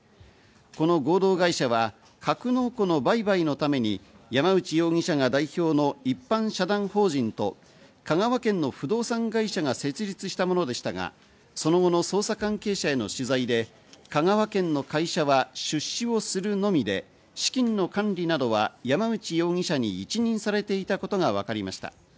この合同会社は格納庫の売買のために山内容疑者が代表の一般社団法人と香川県の不動産会社が設立したものでしたが、その後の捜査関係者への取材で香川県の会社は出資をするのみで、資金の管理などは山内容疑者に一任されていたことがわかりました。